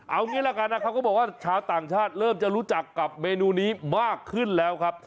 เอางี้ละกันนะครับก็บอกว่าชาวต่างชาติเริ่มจะรู้จักกับเมนูนี้มากขึ้นแล้วครับ